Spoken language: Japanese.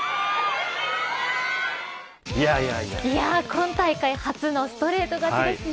今大会初のストレート勝ちですね。